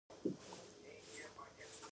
د کلیزو منظره د افغانستان د طبیعي زیرمو برخه ده.